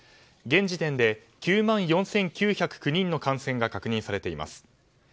現時点で９万４９０９人の感染が確認されています。